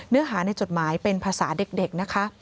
เนื้อหาในจดหมายเป็นภาษาเด็กนะคะ